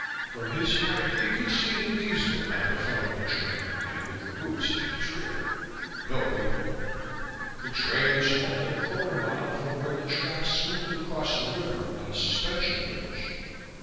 From his height he could see the Diesel at the front of the train and the caboose at its rear. No people. The train was halted a quarter mile from where the tracks swooped across the river on a suspension bridge.